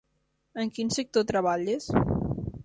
En quin sector treballes?